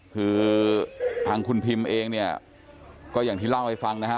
คือทางคุณพิมเองเนี่ยก็อย่างที่เล่าให้ฟังนะฮะ